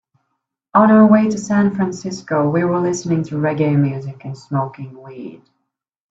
On our way to San Francisco, we were listening to reggae music and smoking weed.